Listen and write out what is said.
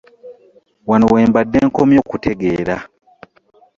Wano we mbadde nkomye okutegeera.